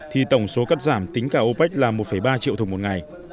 thì tổng số cắt giảm tính cả opec là một ba triệu thùng một ngày